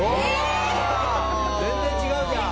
全然違うじゃん！